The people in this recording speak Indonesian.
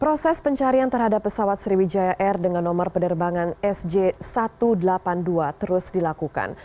proses pencarian terhadap pesawat sriwijaya air dengan nomor penerbangan sj satu ratus delapan puluh dua terus dilakukan